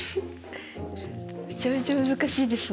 めちゃめちゃ難しいですね。